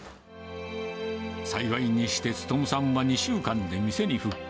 幸いにして力さんは、２週間で店に復帰。